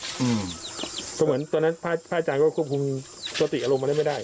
ก็เหมือนตอนนั้นพระอาจารย์ก็ควบคุมสติอารมณ์ไม่ได้